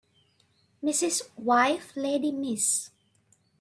Mrs. wife lady Miss